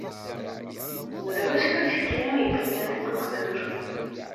Drus n uyefki ay yellan deg ugdur.